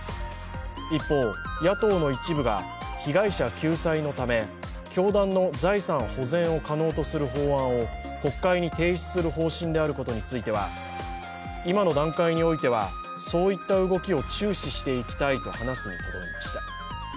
一方、野党の一部が被害者救済のため教団の財産保全を可能とする法案を国会に提出する方針であることについては今の段階においてはそういった動きを注視していきたいと話すにとどめました。